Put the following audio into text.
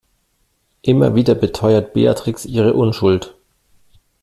Immer wieder beteuert Beatrix ihre Unschuld.